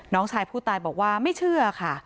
น้องชายผู้ตายบอกว่าไม่เชื่อค่ะ